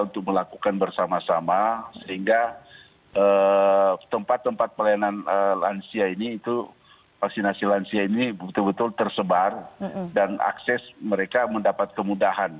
untuk melakukan bersama sama sehingga tempat tempat pelayanan lansia ini itu vaksinasi lansia ini betul betul tersebar dan akses mereka mendapat kemudahan